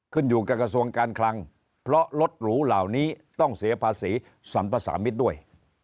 ขึ้นอยู่กับกระทรวงการคลังเพราะรถหรูเหล่านี้ต้องเสียภาษีสัมภาษามิตรด้วย